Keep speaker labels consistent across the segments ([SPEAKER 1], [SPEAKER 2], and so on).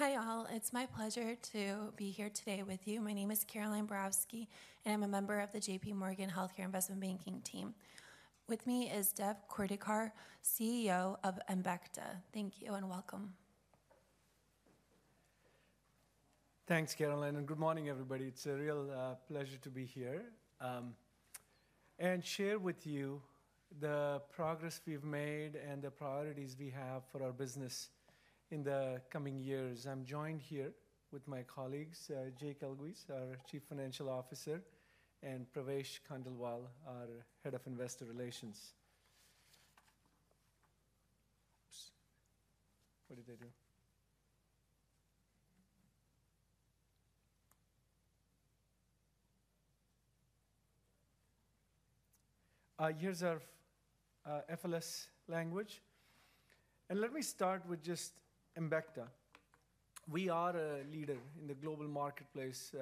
[SPEAKER 1] Hi all. It's my pleasure to be here today with you. My name is Caroline Borowski, and I'm a member of the J.P. Morgan Healthcare Investment Banking team. With me is Dev Kurdikar, CEO of Embecta. Thank you and welcome.
[SPEAKER 2] Thanks, Caroline, and good morning, everybody. It's a real pleasure to be here and share with you the progress we've made and the priorities we have for our business in the coming years. I'm joined here with my colleagues, Jake Elguicze, our Chief Financial Officer, and Pravesh Khandelwal, our Head of Investor Relations. What did I do? Here's our FLS language. And let me start with just Embecta. We are a leader in the global marketplace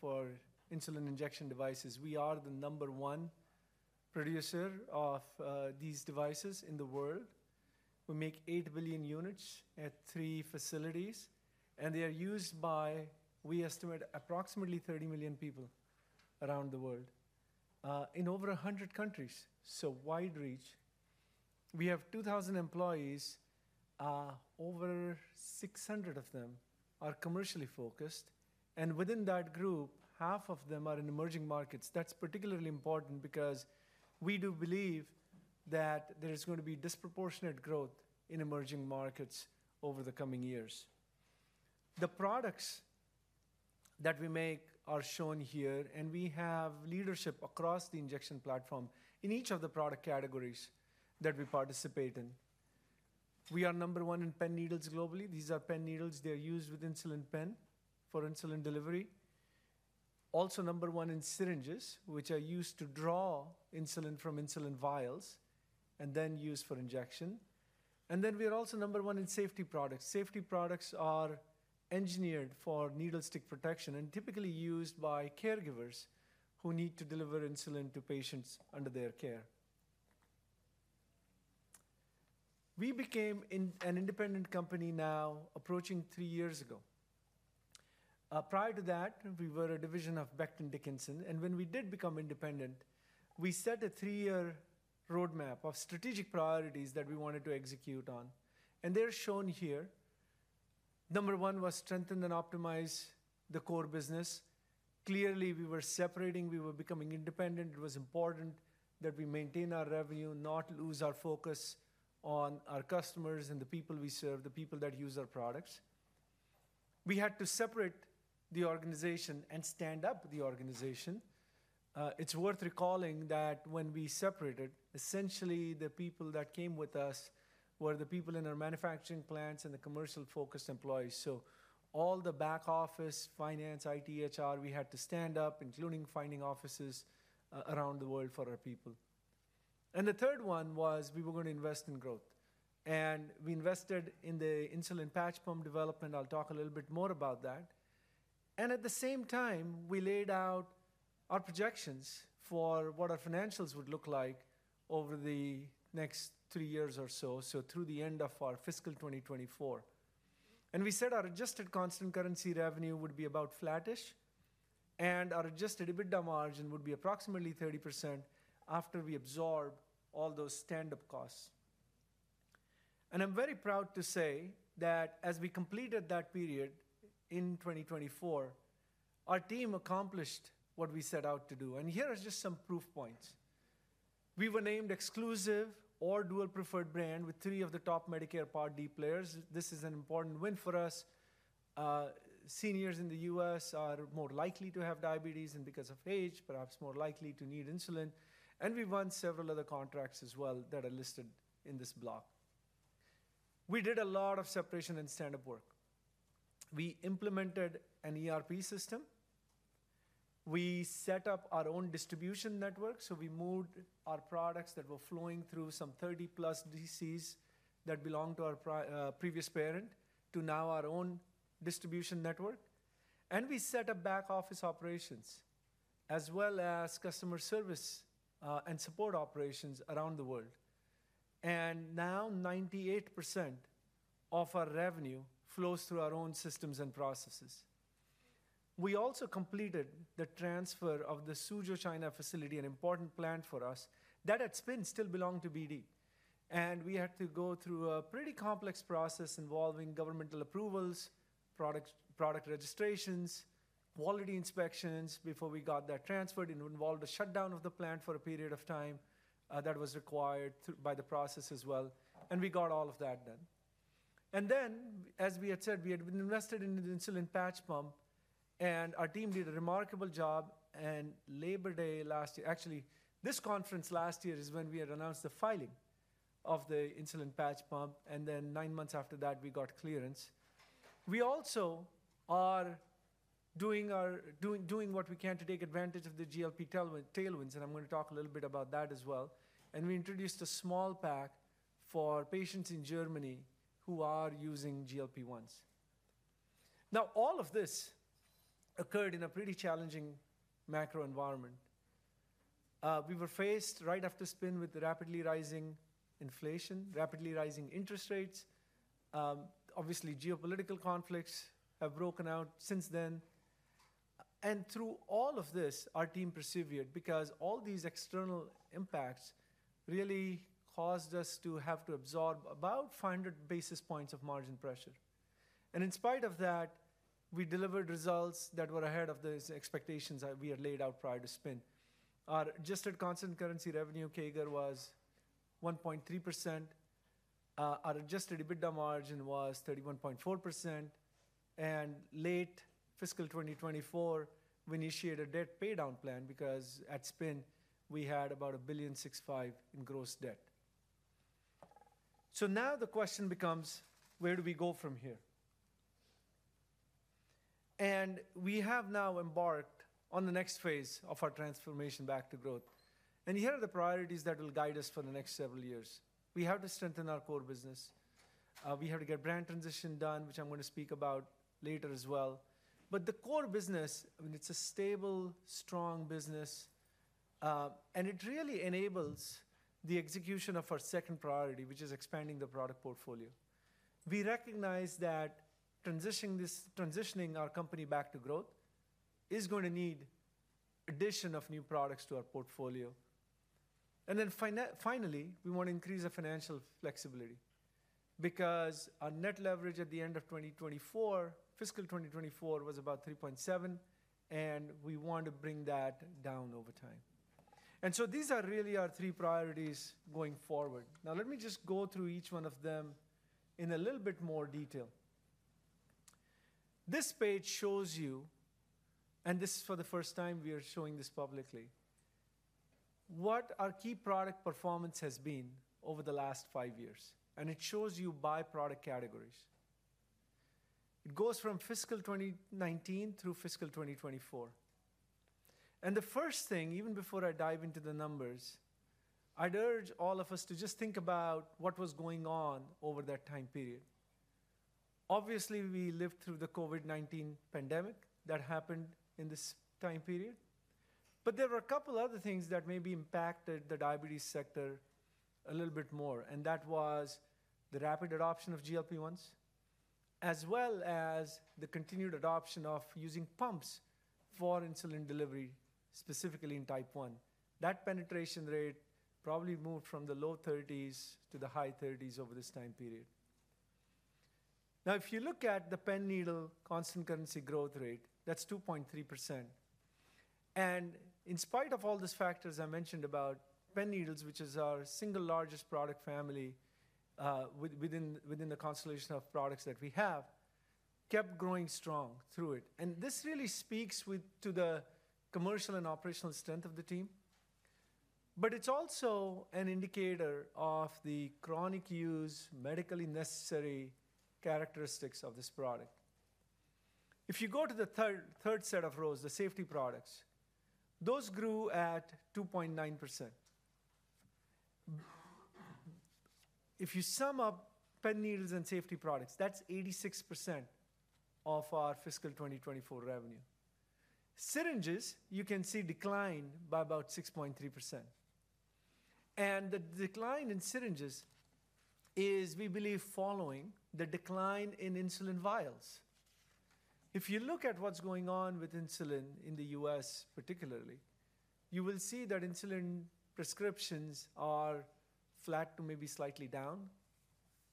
[SPEAKER 2] for insulin injection devices. We are the number one producer of these devices in the world. We make eight billion units at three facilities, and they are used by, we estimate, approximately 30 million people around the world in over 100 countries. So wide reach. We have 2,000 employees. Over 600 of them are commercially focused, and within that group, half of them are in emerging markets. That's particularly important because we do believe that there is going to be disproportionate growth in emerging markets over the coming years. The products that we make are shown here, and we have leadership across the injection platform in each of the product categories that we participate in. We are number one in pen needles globally. These are pen needles. They're used with insulin pen for insulin delivery. Also number one in syringes, which are used to draw insulin from insulin vials and then used for injection. And then we are also number one in safety products. Safety products are engineered for needle stick protection and typically used by caregivers who need to deliver insulin to patients under their care. We became an independent company now approaching three years ago. Prior to that, we were a division of Becton, Dickinson, and when we did become independent, we set a three-year roadmap of strategic priorities that we wanted to execute on. And they're shown here. Number one was strengthen and optimize the core business. Clearly, we were separating. We were becoming independent. It was important that we maintain our revenue, not lose our focus on our customers and the people we serve, the people that use our products. We had to separate the organization and stand up the organization. It's worth recalling that when we separated, essentially the people that came with us were the people in our manufacturing plants and the commercial-focused employees. So all the back office, finance, IT, HR, we had to stand up, including finding offices around the world for our people. And the third one was we were going to invest in growth, and we invested in the insulin patch pump development. I'll talk a little bit more about that. And at the same time, we laid out our projections for what our financials would look like over the next three years or so, so through the end of our fiscal 2024. And we said our adjusted constant currency revenue would be about flattish, and our adjusted EBITDA margin would be approximately 30% after we absorb all those stand-up costs. And I'm very proud to say that as we completed that period in 2024, our team accomplished what we set out to do. And here are just some proof points. We were named exclusive or dual preferred brand with three of the top Medicare Part D players. This is an important win for us. Seniors in the U.S. are more likely to have diabetes, and because of age, perhaps more likely to need insulin. And we won several other contracts as well that are listed in this blog. We did a lot of separation and stand-up work. We implemented an ERP system. We set up our own distribution network. So we moved our products that were flowing through some 30-plus DCs that belonged to our previous parent to now our own distribution network. And we set up back office operations as well as customer service and support operations around the world. And now 98% of our revenue flows through our own systems and processes. We also completed the transfer of the Suzhou, China facility, an important plant for us that at spin still belonged to BD. And we had to go through a pretty complex process involving governmental approvals, product registrations, quality inspections before we got that transferred. It involved a shutdown of the plant for a period of time that was required by the process as well. And we got all of that done. And then, as we had said, we had been invested in an insulin patch pump, and our team did a remarkable job. And Labor Day last year, actually, this conference last year is when we had announced the filing of the insulin patch pump. And then nine months after that, we got clearance. We also are doing what we can to take advantage of the GLP tailwinds. And I'm going to talk a little bit about that as well. And we introduced a small pack for patients in Germany who are using GLP-1s. Now, all of this occurred in a pretty challenging macro environment. We were faced right after spin with rapidly rising inflation, rapidly rising interest rates. Obviously, geopolitical conflicts have broken out since then. And through all of this, our team persevered because all these external impacts really caused us to have to absorb about 500 basis points of margin pressure. And in spite of that, we delivered results that were ahead of those expectations that we had laid out prior to spin. Our adjusted constant currency revenue, CAGR, was 1.3%. Our adjusted EBITDA margin was 31.4%, and late fiscal 2024, we initiated a debt paydown plan because at spin, we had about $1.65 billion in gross debt. So now the question becomes, where do we go from here? And we have now embarked on the next phase of our transformation back to growth. And here are the priorities that will guide us for the next several years. We have to strengthen our core business. We have to get brand transition done, which I'm going to speak about later as well. But the core business, I mean, it's a stable, strong business, and it really enables the execution of our second priority, which is expanding the product portfolio. We recognize that transitioning our company back to growth is going to need addition of new products to our portfolio. And then finally, we want to increase our financial flexibility because our net leverage at the end of 2024, fiscal 2024, was about 3.7, and we want to bring that down over time. And so these are really our three priorities going forward. Now, let me just go through each one of them in a little bit more detail. This page shows you, and this is for the first time we are showing this publicly, what our key product performance has been over the last five years, and it shows you by product categories. It goes from fiscal 2019 through fiscal 2024, and the first thing, even before I dive into the numbers, I'd urge all of us to just think about what was going on over that time period. Obviously, we lived through the COVID-19 pandemic that happened in this time period, but there were a couple of other things that maybe impacted the diabetes sector a little bit more, and that was the rapid adoption of GLP-1s, as well as the continued adoption of using pumps for insulin delivery, specifically in Type 1. That penetration rate probably moved from the low 30s to the high 30s over this time period. Now, if you look at the pen needle constant currency growth rate, that's 2.3%. And in spite of all these factors I mentioned about pen needles, which is our single largest product family within the constellation of products that we have, kept growing strong through it. And this really speaks to the commercial and operational strength of the team. But it's also an indicator of the chronic use, medically necessary characteristics of this product. If you go to the third set of rows, the safety products, those grew at 2.9%. If you sum up pen needles and safety products, that's 86% of our fiscal 2024 revenue. Syringes, you can see declined by about 6.3%. And the decline in syringes is, we believe, following the decline in insulin vials. If you look at what's going on with insulin in the U.S., particularly, you will see that insulin prescriptions are flat to maybe slightly down,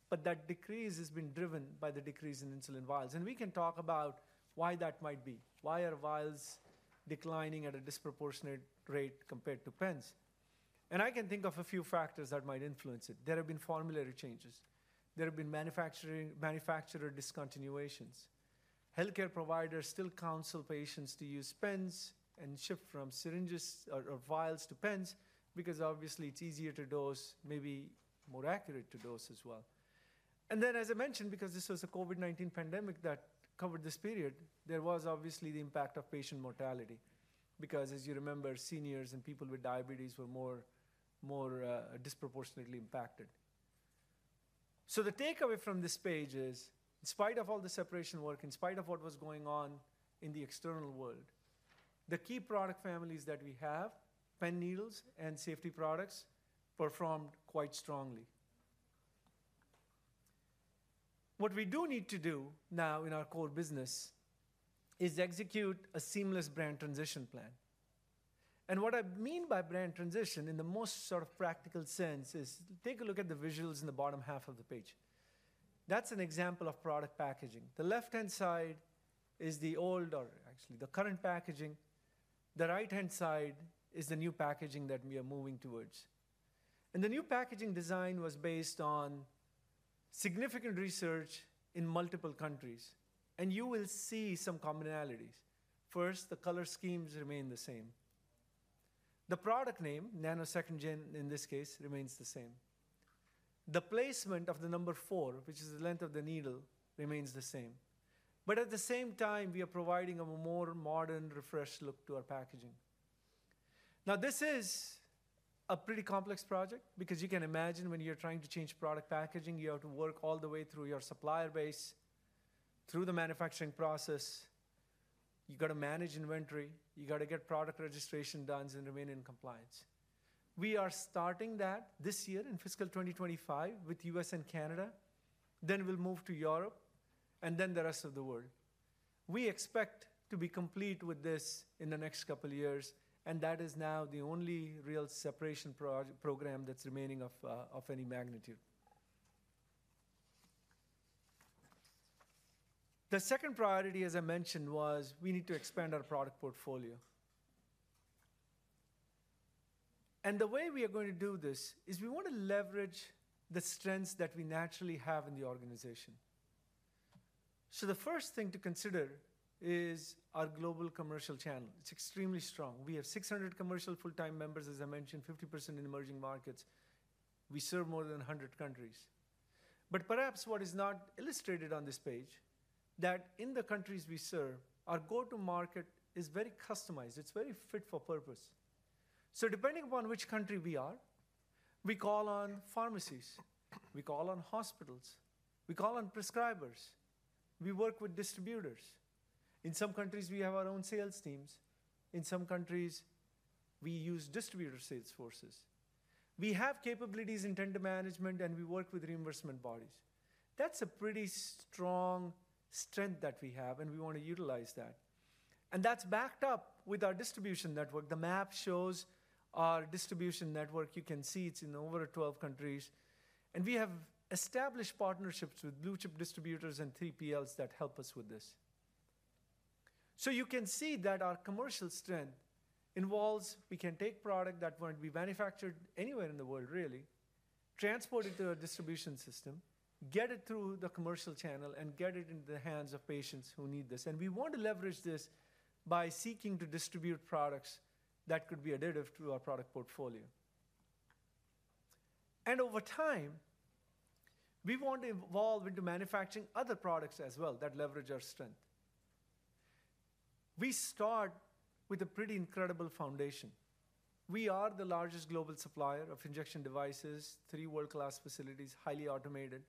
[SPEAKER 2] but that decrease has been driven by the decrease in insulin vials, and we can talk about why that might be. Why are vials declining at a disproportionate rate compared to pens, and I can think of a few factors that might influence it. There have been formulary changes. There have been manufacturer discontinuations. Healthcare providers still counsel patients to use pens and shift from syringes or vials to pens because obviously it's easier to dose, maybe more accurate to dose as well, and then, as I mentioned, because this was a COVID-19 pandemic that covered this period, there was obviously the impact of patient mortality because, as you remember, seniors and people with diabetes were more disproportionately impacted. So the takeaway from this page is, in spite of all the separation work, in spite of what was going on in the external world, the key product families that we have, pen needles and safety products, performed quite strongly. What we do need to do now in our core business is execute a seamless brand transition plan. And what I mean by brand transition in the most sort of practical sense is take a look at the visuals in the bottom half of the page. That's an example of product packaging. The left-hand side is the old, or actually the current packaging. The right-hand side is the new packaging that we are moving towards. And the new packaging design was based on significant research in multiple countries. And you will see some commonalities. First, the color schemes remain the same. The product name, Nano 2nd Gen, in this case, remains the same. The placement of the number four, which is the length of the needle, remains the same. But at the same time, we are providing a more modern, refreshed look to our packaging. Now, this is a pretty complex project because you can imagine when you're trying to change product packaging, you have to work all the way through your supplier base, through the manufacturing process. You've got to manage inventory. You've got to get product registration done and remain in compliance. We are starting that this year in fiscal 2025 with U.S. and Canada, then we'll move to Europe, and then the rest of the world. We expect to be complete with this in the next couple of years, and that is now the only real separation program that's remaining of any magnitude. The second priority, as I mentioned, was we need to expand our product portfolio. And the way we are going to do this is we want to leverage the strengths that we naturally have in the organization. So the first thing to consider is our global commercial channel. It's extremely strong. We have 600 commercial full-time members, as I mentioned, 50% in emerging markets. We serve more than 100 countries. But perhaps what is not illustrated on this page is that in the countries we serve, our go-to-market is very customized. It's very fit for purpose. So depending upon which country we are, we call on pharmacies. We call on hospitals. We call on prescribers. We work with distributors. In some countries, we have our own sales teams. In some countries, we use distributor sales forces. We have capabilities in tender management, and we work with reimbursement bodies. That's a pretty strong strength that we have, and we want to utilize that. And that's backed up with our distribution network. The map shows our distribution network. You can see it's in over 12 countries. And we have established partnerships with blue chip distributors and 3PLs that help us with this. So you can see that our commercial strength involves we can take product that won't be manufactured anywhere in the world, really, transport it to our distribution system, get it through the commercial channel, and get it into the hands of patients who need this. And we want to leverage this by seeking to distribute products that could be additive to our product portfolio. And over time, we want to evolve into manufacturing other products as well that leverage our strength. We start with a pretty incredible foundation. We are the largest global supplier of injection devices: three world-class facilities, highly automated.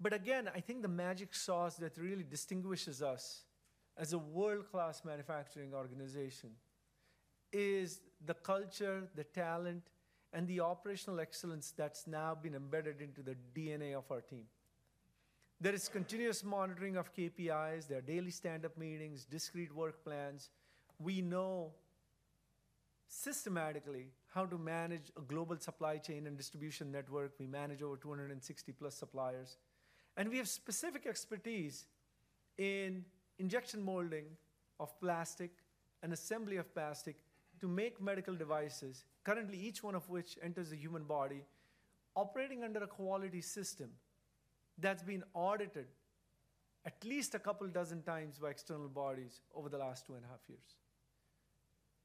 [SPEAKER 2] But again, I think the magic sauce that really distinguishes us as a world-class manufacturing organization is the culture, the talent, and the operational excellence that's now been embedded into the DNA of our team. There is continuous monitoring of KPIs. There are daily stand-up meetings, discrete work plans. We know systematically how to manage a global supply chain and distribution network. We manage over 260-plus suppliers. And we have specific expertise in injection molding of plastic and assembly of plastic to make medical devices, currently each one of which enters a human body, operating under a quality system that's been audited at least a couple dozen times by external bodies over the last two and a half years.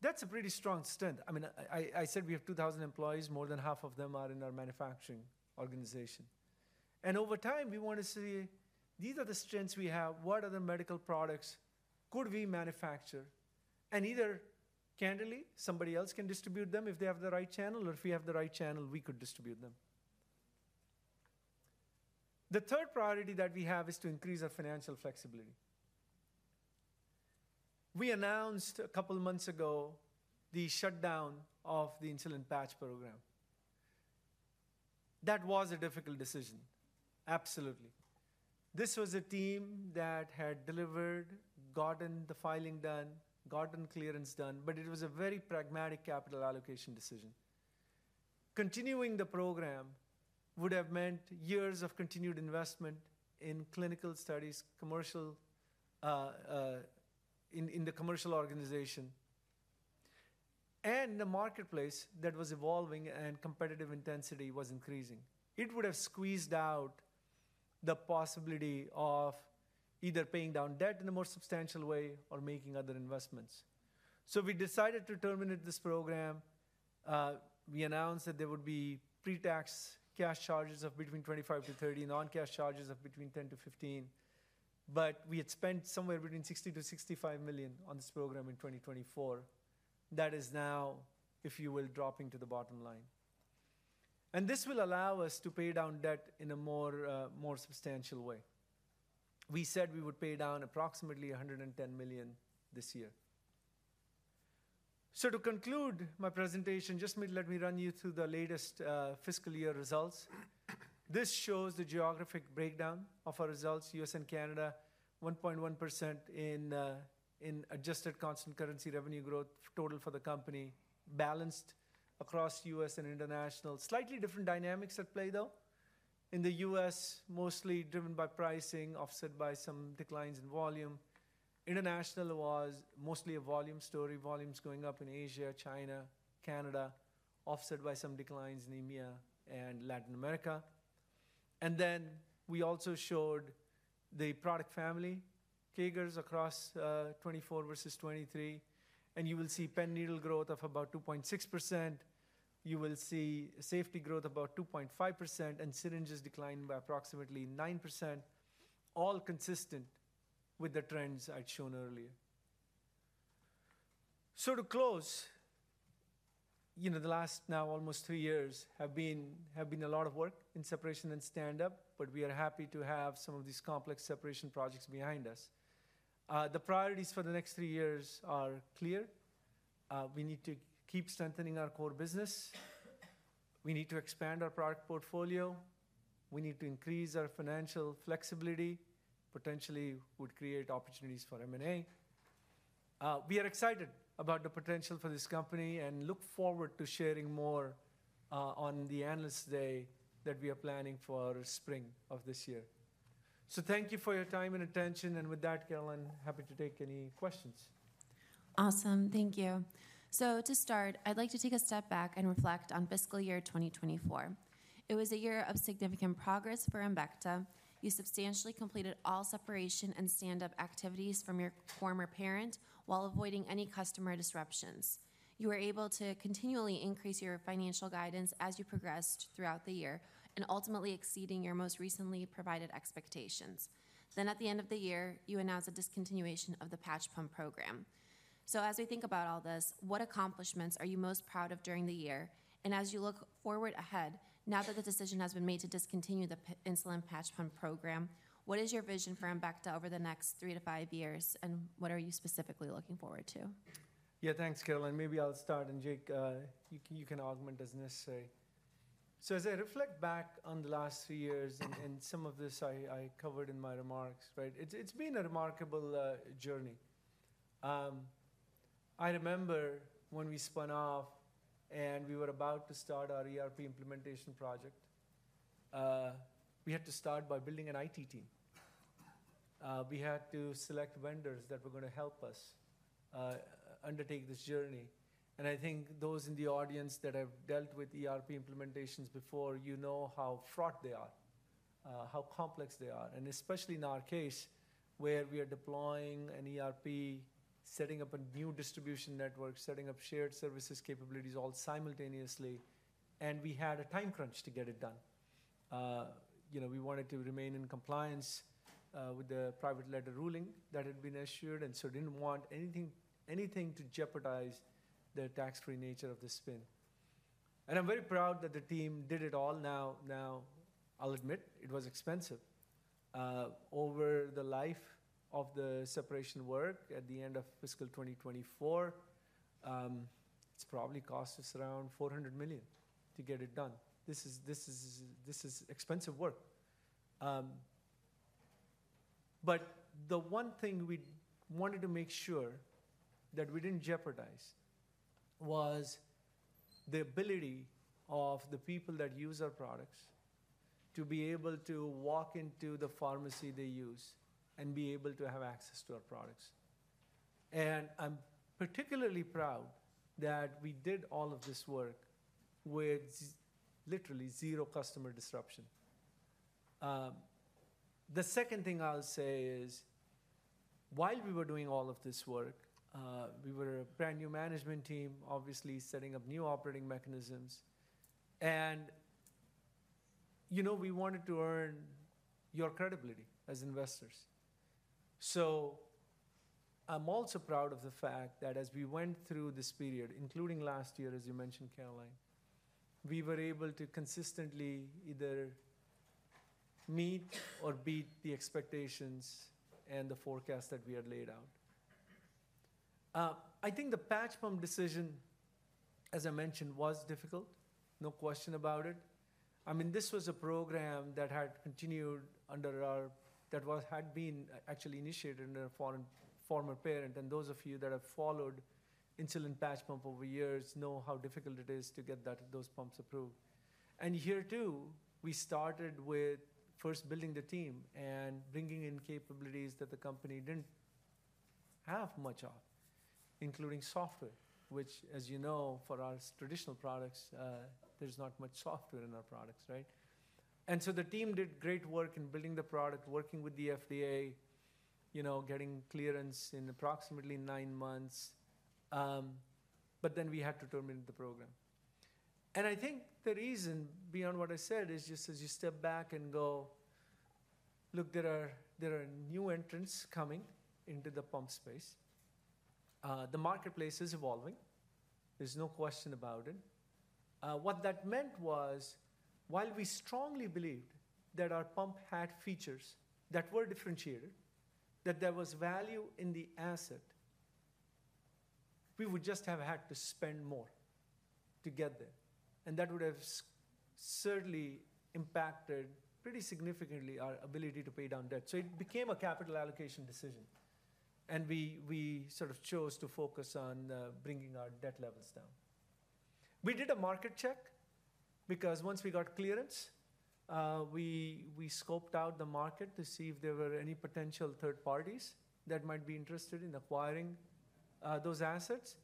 [SPEAKER 2] That's a pretty strong strength. I mean, I said we have 2,000 employees. More than half of them are in our manufacturing organization, and over time, we want to see these are the strengths we have. What other medical products could we manufacture, and either candidly, somebody else can distribute them if they have the right channel, or if we have the right channel, we could distribute them. The third priority that we have is to increase our financial flexibility. We announced a couple of months ago the shutdown of the insulin patch program. That was a difficult decision. Absolutely. This was a team that had delivered, gotten the filing done, gotten clearance done, but it was a very pragmatic capital allocation decision. Continuing the program would have meant years of continued investment in clinical studies, in the commercial organization, and a marketplace that was evolving and competitive intensity was increasing. It would have squeezed out the possibility of either paying down debt in a more substantial way or making other investments, so we decided to terminate this program. We announced that there would be pre-tax cash charges of between $25-$30 million and non-cash charges of between $10-$15 million, but we had spent somewhere between $60-$65 million on this program in 2024. That is now, if you will, dropping to the bottom line, and this will allow us to pay down debt in a more substantial way. We said we would pay down approximately $110 million this year, so to conclude my presentation, just let me run you through the latest fiscal year results. This shows the geographic breakdown of our results. U.S. and Canada, 1.1% in adjusted constant currency revenue growth total for the company, balanced across U.S. and international. Slightly different dynamics at play, though. In the U.S., mostly driven by pricing, offset by some declines in volume. International was mostly a volume story, volumes going up in Asia, China, Canada, offset by some declines in India and Latin America. And then we also showed the product family, CAGRs across 2024 versus 2023. And you will see pen needle growth of about 2.6%. You will see safety growth of about 2.5%, and syringes declined by approximately 9%, all consistent with the trends I'd shown earlier. So to close, the last now almost three years have been a lot of work in separation and stand-up, but we are happy to have some of these complex separation projects behind us. The priorities for the next three years are clear. We need to keep strengthening our core business. We need to expand our product portfolio. We need to increase our financial flexibility, potentially would create opportunities for M&A. We are excited about the potential for this company and look forward to sharing more on the analyst day that we are planning for spring of this year. So thank you for your time and attention. And with that, Caroline, happy to take any questions.
[SPEAKER 1] Awesome. Thank you. So to start, I'd like to take a step back and reflect on fiscal year 2024. It was a year of significant progress for Embecta. You substantially completed all separation and stand-up activities from your former parent while avoiding any customer disruptions. You were able to continually increase your financial guidance as you progressed throughout the year and ultimately exceeding your most recently provided expectations. Then at the end of the year, you announced a discontinuation of the patch pump program. So as we think about all this, what accomplishments are you most proud of during the year? As you look forward ahead, now that the decision has been made to discontinue the insulin patch pump program, what is your vision for Embecta over the next three to five years, and what are you specifically looking forward to?
[SPEAKER 2] Yeah, thanks, Caroline. Maybe I'll start, and Jake, you can augment as necessary. So as I reflect back on the last three years, and some of this I covered in my remarks, it's been a remarkable journey. I remember when we spun off and we were about to start our ERP implementation project, we had to start by building an IT team. We had to select vendors that were going to help us undertake this journey. I think those in the audience that have dealt with ERP implementations before, you know how fraught they are, how complex they are, and especially in our case where we are deploying an ERP, setting up a new distribution network, setting up shared services capabilities all simultaneously. We had a time crunch to get it done. We wanted to remain in compliance with the private letter ruling that had been issued, and so didn't want anything to jeopardize the tax-free nature of the spin. I'm very proud that the team did it all now. Now, I'll admit, it was expensive. Over the life of the separation work at the end of fiscal 2024, it's probably cost us around $400 million to get it done. This is expensive work. But the one thing we wanted to make sure that we didn't jeopardize was the ability of the people that use our products to be able to walk into the pharmacy they use and be able to have access to our products. And I'm particularly proud that we did all of this work with literally zero customer disruption. The second thing I'll say is, while we were doing all of this work, we were a brand new management team, obviously setting up new operating mechanisms. And we wanted to earn your credibility as investors. So I'm also proud of the fact that as we went through this period, including last year, as you mentioned, Caroline, we were able to consistently either meet or beat the expectations and the forecast that we had laid out. I think the patch pump decision, as I mentioned, was difficult. No question about it. I mean, this was a program that had continued under ours that had been actually initiated under a former parent. And those of you that have followed Insulin Patch Pump over years know how difficult it is to get those pumps approved. And here, too, we started with first building the team and bringing in capabilities that the company didn't have much of, including software, which, as you know, for our traditional products, there's not much software in our products. And so the team did great work in building the product, working with the FDA, getting clearance in approximately nine months. But then we had to terminate the program. And I think the reason beyond what I said is just as you step back and go, look, there are new entrants coming into the pump space. The marketplace is evolving. There's no question about it. What that meant was, while we strongly believed that our pump had features that were differentiated, that there was value in the asset, we would just have had to spend more to get there. And that would have certainly impacted pretty significantly our ability to pay down debt. So it became a capital allocation decision. And we sort of chose to focus on bringing our debt levels down. We did a market check because once we got clearance, we scoped out the market to see if there were any potential third parties that might be interested in acquiring those assets.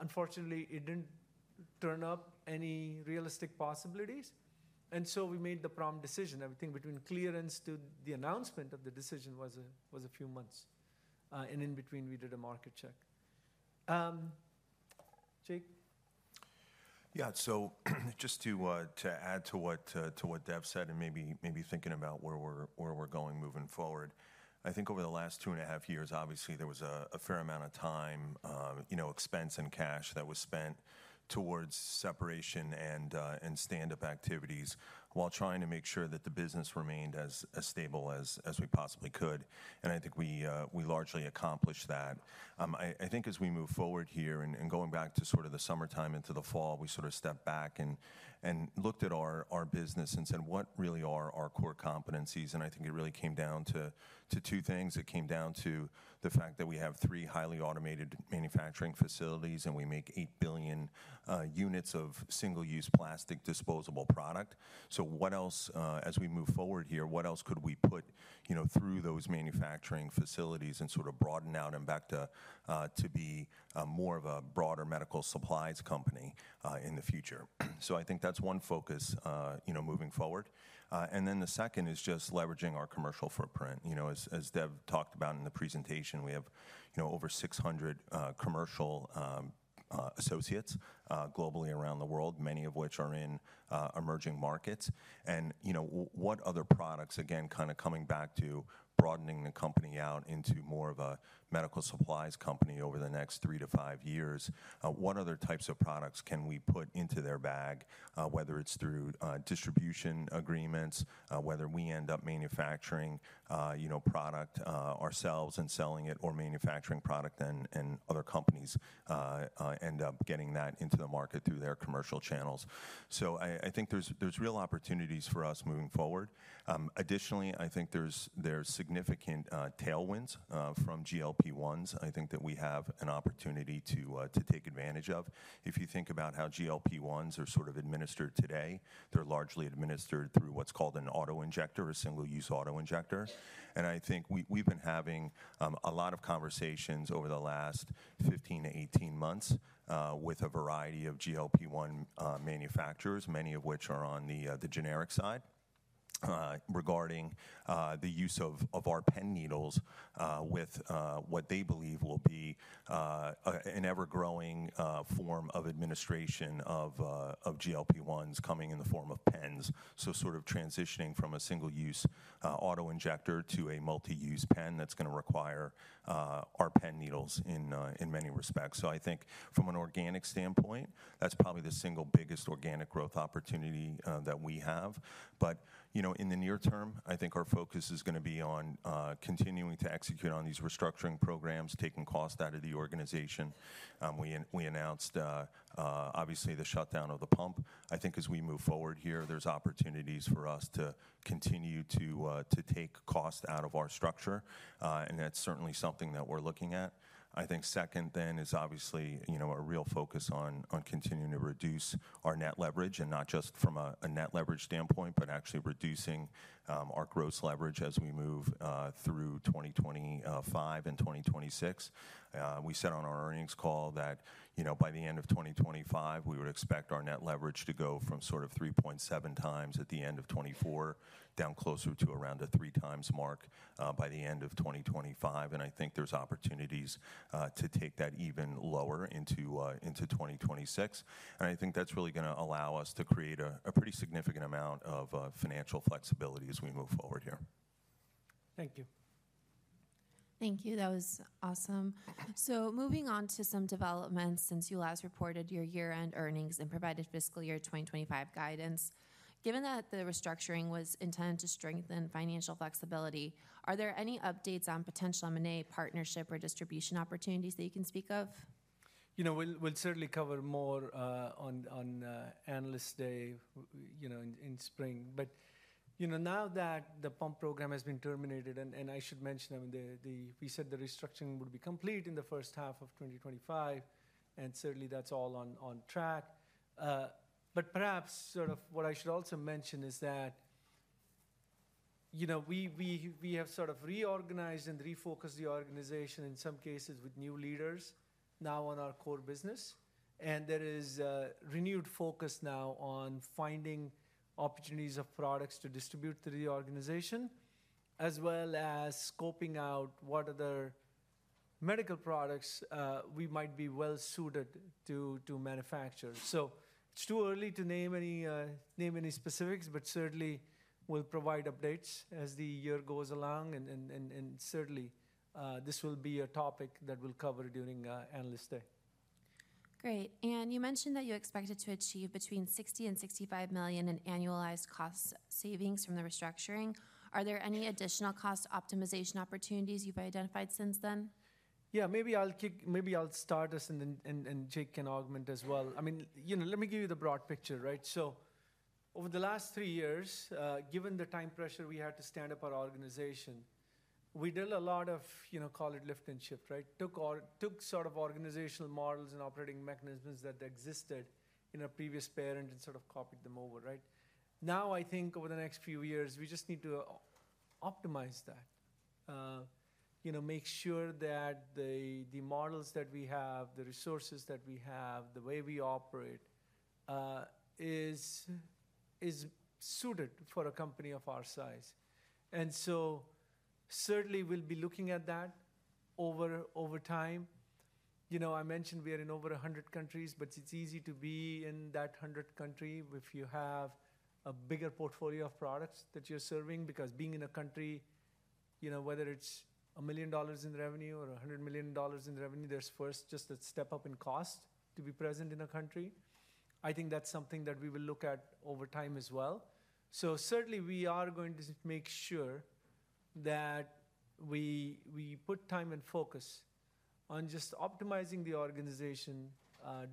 [SPEAKER 2] Unfortunately, it didn't turn up any realistic possibilities. And so we made the prompt decision. Everything between clearance to the announcement of the decision was a few months. And in between, we did a market check. Jake.
[SPEAKER 3] Yeah, so just to add to what Dev said and maybe thinking about where we're going moving forward, I think over the last two and a half years, obviously, there was a fair amount of time, expense, and cash that was spent towards separation and stand-up activities while trying to make sure that the business remained as stable as we possibly could, and I think we largely accomplished that. I think as we move forward here, and going back to sort of the summertime into the fall, we sort of stepped back and looked at our business and said, what really are our core competencies, and I think it really came down to two things. It came down to the fact that we have three highly automated manufacturing facilities, and we make eight billion units of single-use plastic disposable product. So as we move forward here, what else could we put through those manufacturing facilities and sort of broaden out Embecta to be more of a broader medical supplies company in the future? So I think that's one focus moving forward. And then the second is just leveraging our commercial footprint. As Dev talked about in the presentation, we have over 600 commercial associates globally around the world, many of which are in emerging markets. And what other products, again, kind of coming back to broadening the company out into more of a medical supplies company over the next three to five years, what other types of products can we put into their bag, whether it's through distribution agreements, whether we end up manufacturing product ourselves and selling it, or manufacturing product and other companies end up getting that into the market through their commercial channels? So I think there's real opportunities for us moving forward. Additionally, I think there's significant tailwinds from GLP-1s. I think that we have an opportunity to take advantage of. If you think about how GLP-1s are sort of administered today, they're largely administered through what's called an autoinjector, a single-use autoinjector. And I think we've been having a lot of conversations over the last 15 to 18 months with a variety of GLP-1 manufacturers, many of which are on the generic side, regarding the use of our pen needles with what they believe will be an ever-growing form of administration of GLP-1s coming in the form of pens. So sort of transitioning from a single-use autoinjector to a multi-use pen that's going to require our pen needles in many respects. So I think from an organic standpoint, that's probably the single biggest organic growth opportunity that we have. But in the near term, I think our focus is going to be on continuing to execute on these restructuring programs, taking cost out of the organization. We announced, obviously, the shutdown of the pump. I think as we move forward here, there's opportunities for us to continue to take cost out of our structure. And that's certainly something that we're looking at. I think second then is obviously a real focus on continuing to reduce our net leverage, and not just from a net leverage standpoint, but actually reducing our gross leverage as we move through 2025 and 2026. We said on our earnings call that by the end of 2025, we would expect our net leverage to go from sort of 3.7 times at the end of 2024 down closer to around a three-times mark by the end of 2025. And I think there's opportunities to take that even lower into 2026. And I think that's really going to allow us to create a pretty significant amount of financial flexibility as we move forward here. Thank you.
[SPEAKER 1] Thank you. That was awesome. So moving on to some developments, since you last reported your year-end earnings and provided fiscal year 2025 guidance, given that the restructuring was intended to strengthen financial flexibility, are there any updates on potential M&A partnership or distribution opportunities that you can speak of?
[SPEAKER 2] We'll certainly cover more on analyst day in spring. But now that the pump program has been terminated, and I should mention, we said the restructuring would be complete in the first half of 2025. And certainly, that's all on track. But perhaps sort of what I should also mention is that we have sort of reorganized and refocused the organization in some cases with new leaders now on our core business. And there is renewed focus now on finding opportunities of products to distribute through the organization, as well as scoping out what other medical products we might be well suited to manufacture. So it's too early to name any specifics, but certainly, we'll provide updates as the year goes along. And certainly, this will be a topic that we'll cover during analyst day.
[SPEAKER 1] Great. And you mentioned that you expected to achieve between $60 million and $65 million in annualized cost savings from the restructuring. Are there any additional cost optimization opportunities you've identified since then?
[SPEAKER 2] Yeah, maybe I'll start us, and Jake can augment as well. I mean, let me give you the broad picture. So over the last three years, given the time pressure we had to stand up our organization, we did a lot of, call it lift and shift, took sort of organizational models and operating mechanisms that existed in a previous parent and sort of copied them over. Now, I think over the next few years, we just need to optimize that, make sure that the models that we have, the resources that we have, the way we operate is suited for a company of our size. And so certainly, we'll be looking at that over time. I mentioned we are in over 100 countries, but it's easy to be in that 100 country if you have a bigger portfolio of products that you're serving. Because being in a country, whether it's $1 million in revenue or $100 million in revenue, there's first just a step up in cost to be present in a country. I think that's something that we will look at over time as well. So certainly, we are going to make sure that we put time and focus on just optimizing the organization,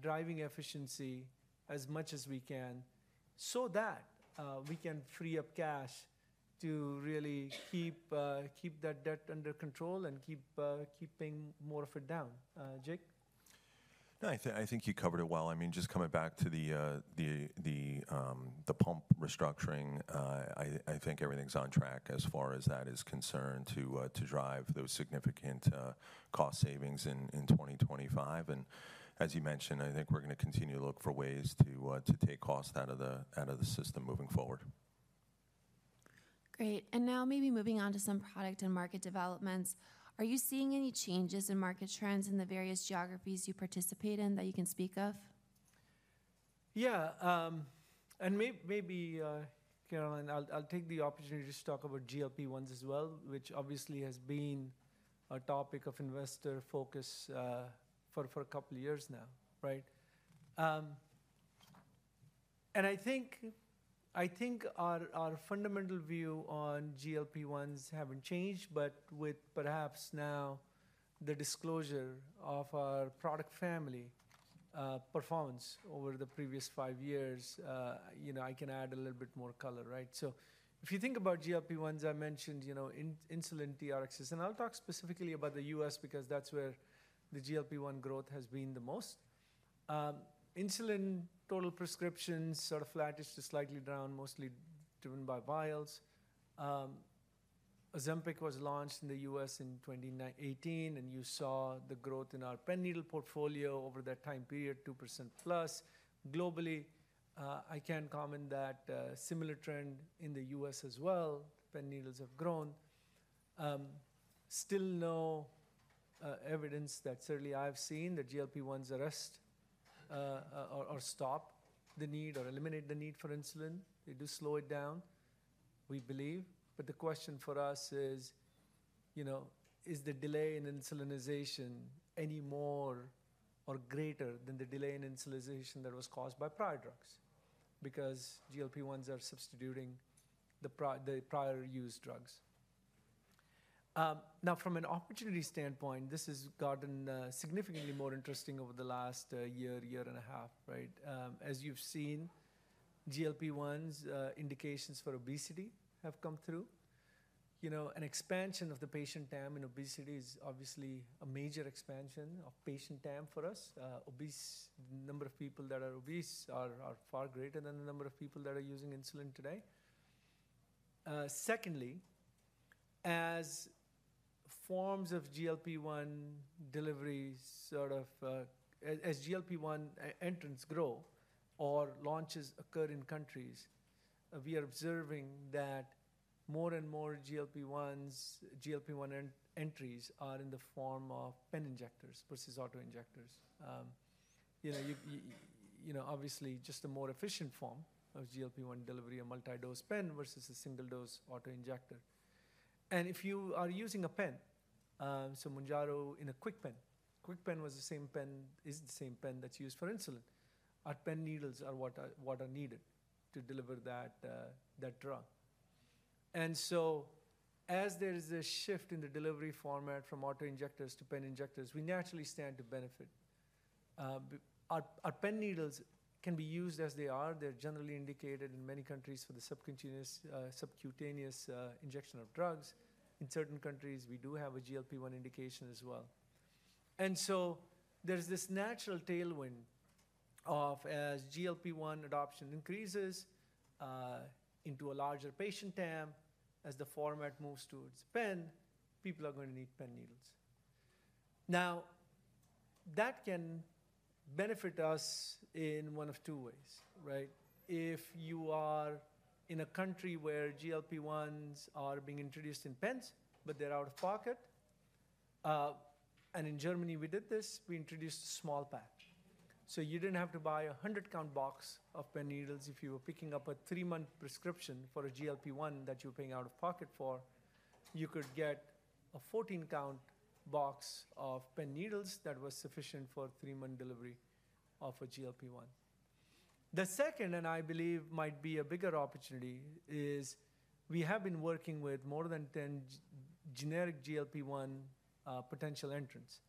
[SPEAKER 2] driving efficiency as much as we can so that we can free up cash to really keep that debt under control and keeping more of it down. Jake?
[SPEAKER 3] I think you covered it well. I mean, just coming back to the pump restructuring, I think everything's on track as far as that is concerned to drive those significant cost savings in 2025, and as you mentioned, I think we're going to continue to look for ways to take cost out of the system moving forward.
[SPEAKER 1] Great, and now maybe moving on to some product and market developments. Are you seeing any changes in market trends in the various geographies you participate in that you can speak of?
[SPEAKER 2] Yeah, and maybe, Caroline, I'll take the opportunity to talk about GLP-1s as well, which obviously has been a topic of investor focus for a couple of years now, and I think our fundamental view on GLP-1s haven't changed, but with perhaps now the disclosure of our product family performance over the previous five years, I can add a little bit more color. So if you think about GLP-1s, I mentioned insulin TRXs. And I'll talk specifically about the U.S. because that's where the GLP-1 growth has been the most. Insulin total prescriptions sort of flattish to slightly down, mostly driven by vials. Ozempic was launched in the U.S. in 2018. And you saw the growth in our pen needle portfolio over that time period, 2% plus. Globally, I can comment that similar trend in the U.S. as well. Pen needles have grown. Still no evidence that certainly I've seen that GLP-1s arrest or stop the need or eliminate the need for insulin. They do slow it down, we believe. But the question for us is, is the delay in insulinization any more or greater than the delay in insulinization that was caused by prior drugs? Because GLP-1s are substituting the prior-used drugs. Now, from an opportunity standpoint, this has gotten significantly more interesting over the last year, year and a half. As you've seen, GLP-1s indications for obesity have come through. An expansion of the patient TAM in obesity is obviously a major expansion of patient TAM for us. The number of people that are obese are far greater than the number of people that are using insulin today. Secondly, as forms of GLP-1 deliveries sort of as GLP-1 entrants grow or launches occur in countries, we are observing that more and more GLP-1 entries are in the form of pen injectors versus autoinjectors. Obviously, just a more efficient form of GLP-1 delivery, a multi-dose pen versus a single-dose autoinjector. And if you are using a pen, so Mounjaro in a KwikPen, KwikPen was the same pen, is the same pen that's used for insulin. Our pen needles are what are needed to deliver that drug. And so as there is a shift in the delivery format from autoinjectors to pen injectors, we naturally stand to benefit. Our pen needles can be used as they are. They're generally indicated in many countries for the subcutaneous injection of drugs. In certain countries, we do have a GLP-1 indication as well. And so there's this natural tailwind of as GLP-1 adoption increases into a larger patient TAM, as the format moves towards pen, people are going to need pen needles. Now, that can benefit us in one of two ways. If you are in a country where GLP-1s are being introduced in pens, but they're out of pocket, and in Germany, we did this, we introduced small pack. So you didn't have to buy a 100-count box of pen needles. If you were picking up a three-month prescription for a GLP-1 that you're paying out of pocket for, you could get a 14-count box of pen needles that was sufficient for a three-month delivery of a GLP-1. The second, and I believe might be a bigger opportunity, is we have been working with more than 10 generic GLP-1 potential entrants.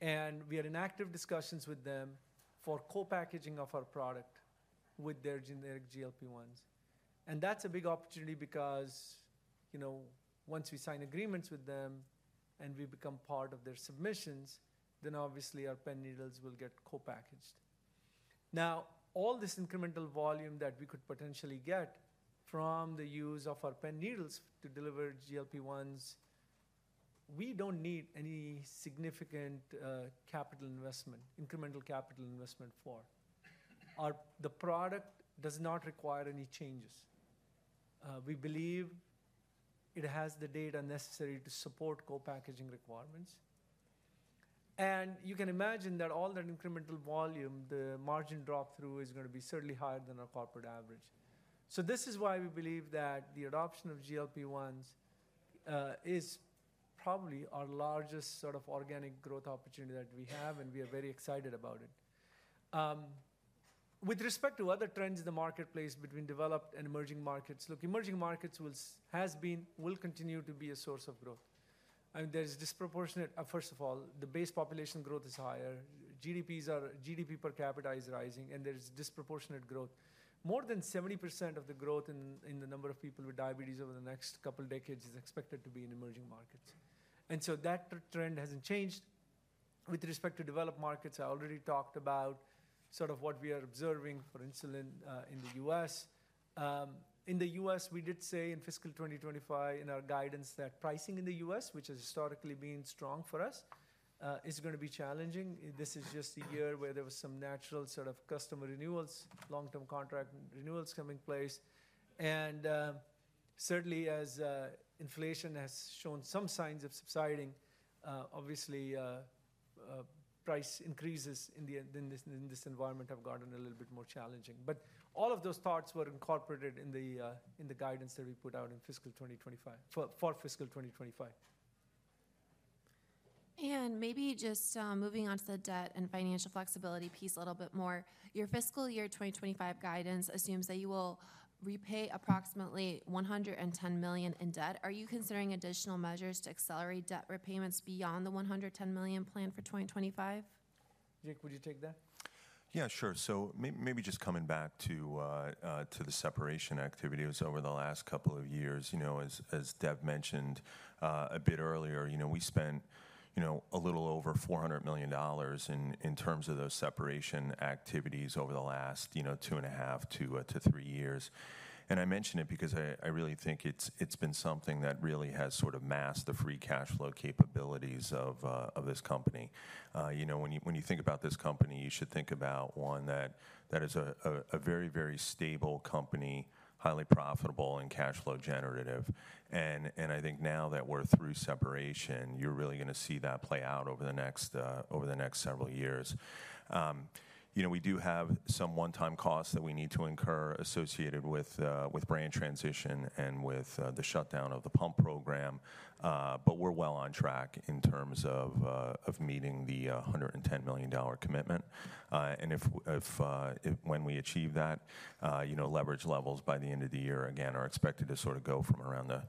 [SPEAKER 2] And we are in active discussions with them for co-packaging of our product with their generic GLP-1s. And that's a big opportunity because once we sign agreements with them and we become part of their submissions, then obviously our pen needles will get co-packaged. Now, all this incremental volume that we could potentially get from the use of our pen needles to deliver GLP-1s, we don't need any significant capital investment, incremental capital investment for. The product does not require any changes. We believe it has the data necessary to support co-packaging requirements. And you can imagine that all that incremental volume, the margin drop-through is going to be certainly higher than our corporate average. So this is why we believe that the adoption of GLP-1s is probably our largest sort of organic growth opportunity that we have, and we are very excited about it. With respect to other trends in the marketplace between developed and emerging markets, look, emerging markets will continue to be a source of growth. And there is disproportionate, first of all, the base population growth is higher. GDP per capita is rising, and there is disproportionate growth. More than 70% of the growth in the number of people with diabetes over the next couple of decades is expected to be in emerging markets. And so that trend hasn't changed. With respect to developed markets, I already talked about sort of what we are observing for insulin in the U.S. In the U.S., we did say in fiscal 2025 in our guidance that pricing in the U.S., which has historically been strong for us, is going to be challenging. This is just a year where there were some natural sort of customer renewals, long-term contract renewals taking place. And certainly, as inflation has shown some signs of subsiding, obviously, price increases in this environment have gotten a little bit more challenging. But all of those thoughts were incorporated in the guidance that we put out in fiscal 2025 for fiscal 2025.
[SPEAKER 1] And maybe just moving on to the debt and financial flexibility piece a little bit more. Your fiscal year 2025 guidance assumes that you will repay approximately $110 million in debt. Are you considering additional measures to accelerate debt repayments beyond the $110 million planned for 2025?
[SPEAKER 2] Jake, would you take that?
[SPEAKER 3] Yeah, sure. So maybe just coming back to the separation activities over the last couple of years. As Dev mentioned a bit earlier, we spent a little over $400 million in terms of those separation activities over the last two and a half to three years. And I mention it because I really think it's been something that really has sort of masked the free cash flow capabilities of this company. When you think about this company, you should think about one that is a very, very stable company, highly profitable and cash flow generative. And I think now that we're through separation, you're really going to see that play out over the next several years. We do have some one-time costs that we need to incur associated with brand transition and with the shutdown of the pump program. But we're well on track in terms of meeting the $110 million commitment. And when we achieve that, leverage levels by the end of the year, again, are expected to sort of go from around the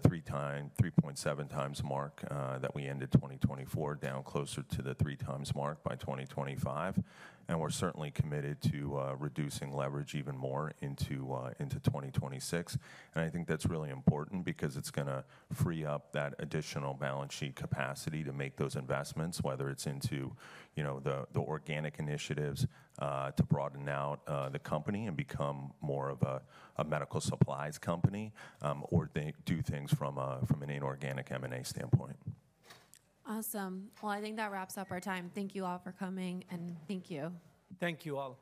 [SPEAKER 3] 3.7 times mark that we ended 2024 down closer to the 3 times mark by 2025. And we're certainly committed to reducing leverage even more into 2026. And I think that's really important because it's going to free up that additional balance sheet capacity to make those investments, whether it's into the organic initiatives to broaden out the company and become more of a medical supplies company or do things from an inorganic M&A standpoint.
[SPEAKER 1] Awesome. Well, I think that wraps up our time. Thank you all for coming, and thank you.
[SPEAKER 2] Thank you all.